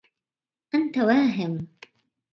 أنت واهِمٌ.